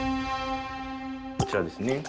「こちらですね」